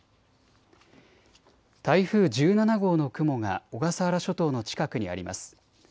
台風１７号の雲が小笠原諸島の近くにあります。